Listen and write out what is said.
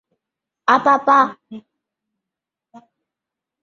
理事会因为措辞模糊而拒绝。